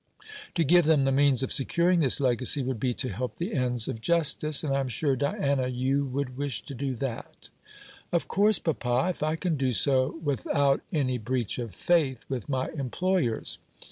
To give them the means of securing this legacy would be to help the ends of justice; and I am sure, Diana, you would wish to do that." "Of course, papa, if I can do so without any breach of faith with my employers.